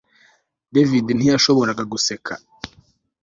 David ntiyashoboraga guseka